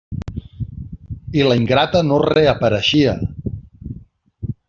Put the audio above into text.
I la ingrata no reapareixia!